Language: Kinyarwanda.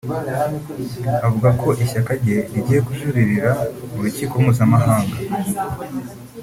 Avuga ko ishyaka rye rigiye kujuririra mu rukiko mpuzamahanga